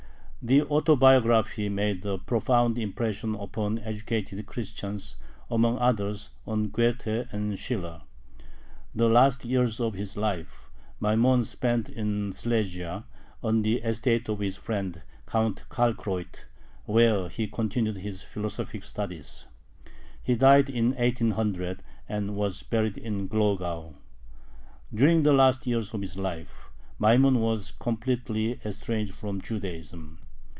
The Autobiography made a profound impression upon educated Christians, among others on Goethe and Schiller. The last years of his life Maimon spent in Silesia, on the estate of his friend Count Kalkreuth, where he continued his philosophic studies. He died in 1800, and was buried in Glogau. During the last years of his life Maimon was completely estranged from Judaism.